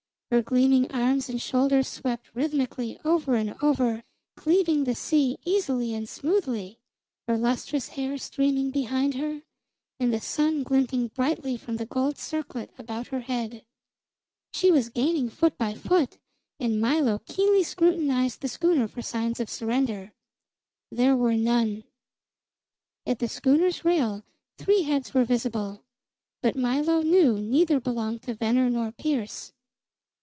Her gleaming arms and shoulders swept rhythmically over and over, cleaving the sea easily and smoothly, her lustrous hair streaming behind her, and the sun glinting brightly from the gold circlet around her head. She was gaining foot by foot, and Milo keenly scrutinized the schooner for signs of surrender. There were none. At the schooner's rail three heads were visible; but Milo knew neither belonged to Venner nor Pearse.